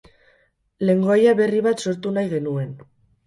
Lengoaia berri bat sortu nahi genuen.